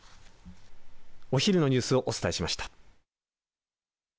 お昼のニュースをお伝えしました。